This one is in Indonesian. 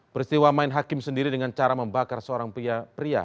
peristiwa main hakim sendiri dengan cara membakar seorang pria